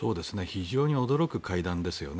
非常に驚く会談ですよね。